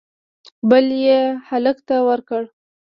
بل یې هلک ته ورکړ